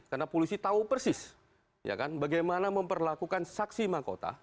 karena polisi tahu persis bagaimana memperlakukan saksi mahkota